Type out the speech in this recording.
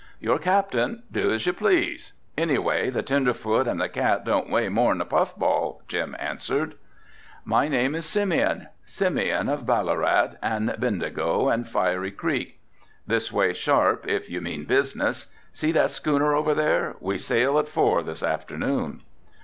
"You're Captain, do as you please, anyway the tenderfoot and the cat don't weigh more than a puff ball," Jim answered. "My name is Simeon, Simeon of Ballarat and Bendigo and Fiery creek. This way sharp if you mean business. See that schooner over there, we sail at four this afternoon."